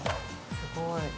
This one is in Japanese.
すごい。